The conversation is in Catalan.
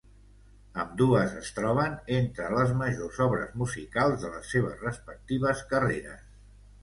Ambdues es troben entre les majors obres musicals de les seves respectives carreres.